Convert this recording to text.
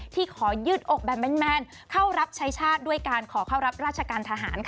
ขอยืดอกแบบแมนเข้ารับใช้ชาติด้วยการขอเข้ารับราชการทหาร